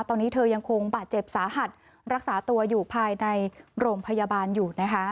ตอนนี้เธอยังคงบาดเจ็บสาหัสรักษาตัวอยู่ภายในโรงพยาบาลอยู่นะคะ